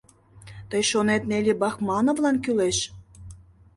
— Тый шонет Нелли Бахмановлан кӱлеш?